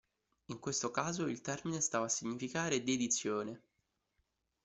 In questo caso il termine stava a significare "dedizione".